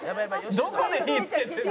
「どこで火つけてるの！？」